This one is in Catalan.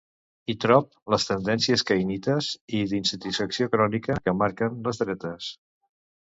Hi trob les tendències caïnites i d'insatisfacció crònica que marquen les dretes.